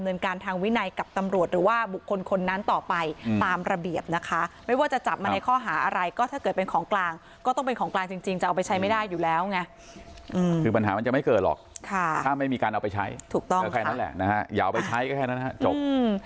ถูกต้องค่ะแค่นั้นแหละนะฮะอย่าเอาไปใช้ก็แค่นั้นฮะจบ